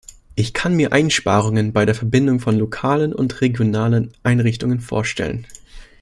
Ich kann mir Einsparungen bei der Verbindung von lokalen und regionalen Einrichtungen vorstellen.